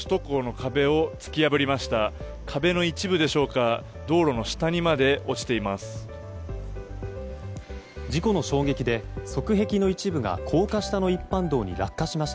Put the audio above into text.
壁の一部でしょうか道路の下にまで落ちています。